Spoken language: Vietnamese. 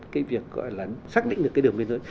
cái việc gọi là xác định được cái đường biên giới